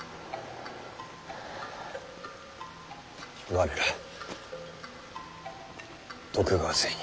我ら徳川勢に。